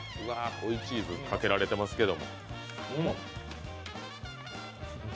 追いチーズ、かけられてますけど。